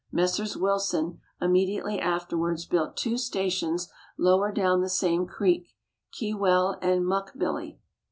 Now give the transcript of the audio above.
Messrs. Wilson immediately afterwards built two stations lower down the same creek Kewell and Muckbilly.